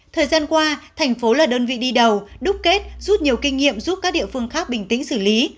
thời gian qua thành phố là đơn vị đi đầu đúc kết rút nhiều kinh nghiệm giúp các địa phương khác bình tĩnh xử lý